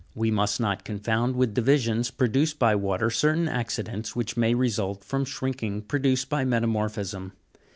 We must not confound with divisions produced by water certain accidents which may result from shrinking produced by metamorphism.